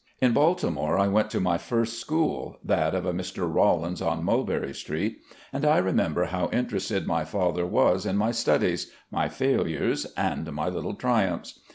In Baltimore, I went to my first school, that of a Mr. Rollins on Mulberry Street, and I remember how interested my father was in my studies, my failures, and my Httle triumphs.